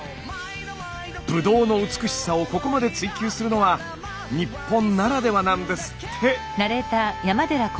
ブドウの美しさをここまで追求するのは日本ならではなんですって！